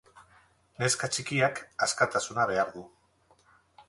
Neska txikiak askatasuna behar du.